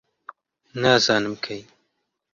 نازانم کەی